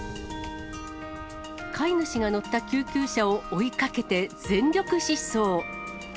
飼い主が乗った救急車を追いかけて全力疾走。